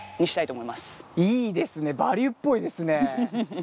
いいですね「バリュー」っぽいですね。